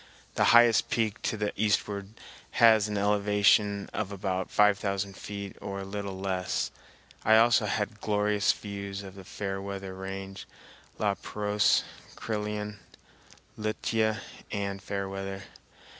The highest peak to the eastward has an elevation of about five thousand feet or a little less. I also had glorious views of the Fairweather Range, La Pérouse, Crillon, Lituya, and Fairweather.